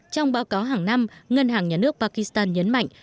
trong báo cáo hàng năm ngân hàng nhà nước pakistan nhấn mạnh